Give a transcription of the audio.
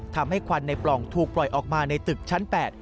ทำให้ควันในปล่องถูกปล่อยออกมาในตึกชั้นแปด